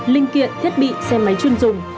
linh kiện thiết bị xe máy chuyên dùng